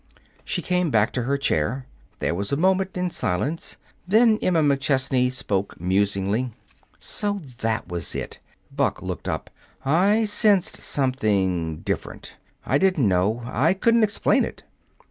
She came back to her chair. They sat a moment in silence. Then Emma McChesney spoke musingly. "So that was it." Buck looked up. "I sensed something different. I didn't know. I couldn't explain it."